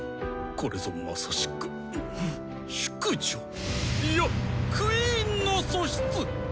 これぞまさしく淑女いやクイーンの素質！